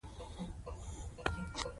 مېلې د دودیزو هنرونو د ساتلو یوه لاره ده.